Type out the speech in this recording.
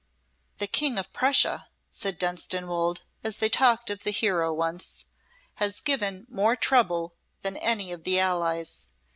"The King of Prussia," said Dunstanwolde as they talked of the hero once, "has given more trouble than any of the allies.